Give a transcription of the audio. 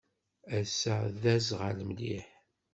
Ass-a d aẓɣal mliḥ.